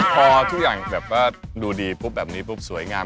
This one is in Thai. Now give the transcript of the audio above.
พอทุกอย่างแบบว่าดูดีปุ๊บแบบนี้ปุ๊บสวยงาม